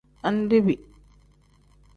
Andebi.